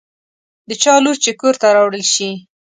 د چا لور چې کور ته راوړل شي.